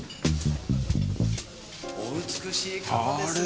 お美しい方ですね。